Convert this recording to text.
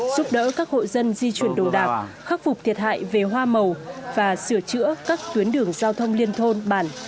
giúp đỡ các hội dân di chuyển đồ đạc khắc phục thiệt hại về hoa màu và sửa chữa các tuyến đường giao thông liên thôn bản